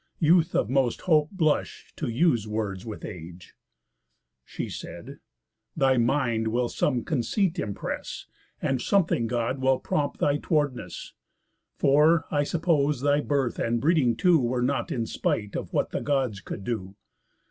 Youth of most hope blush to use words with age." She said: "Thy mind will some conceit impress, And something God will prompt thy towardness; For, I suppose, thy birth, and breeding too, Were not in spite of what the Gods could do."